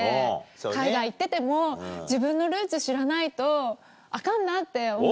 海外行ってても自分のルーツ知らないとアカンなって思って。